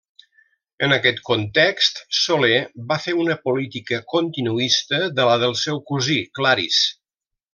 En aquest context, Soler va fer una política continuista de la del seu cosí Claris.